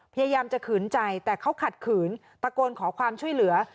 พยายามจะขืนใจแต่เขาขัดขืนตะโกนขอความช่วยเหลือ